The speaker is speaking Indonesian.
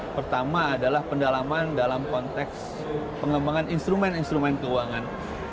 pertama adalah pendalaman dalam konteks pengembangan instrumen instrumen keuangan